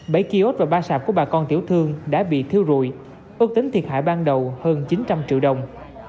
bà con tiểu thương đã bị thiêu rùi ước tính thiệt hại ban đầu hơn chín trăm linh triệu đồng